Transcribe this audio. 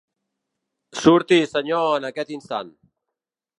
Surti, senyor, en aquest instant.